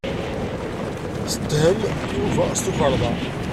Yetthem Yuba s tukerḍa.